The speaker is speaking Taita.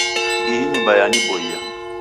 Ihi nyumba yaniboia.